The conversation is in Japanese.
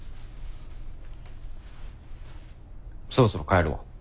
そろそろ帰るわ。